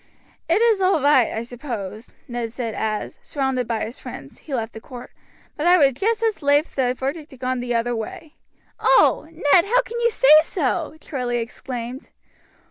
"It is all right, I suppose," Ned said as, surrounded by his friends, he left the court, "but I would just as lief the verdict had gone the other way." "Oh! Ned, how can you say so?" Charlie exclaimed.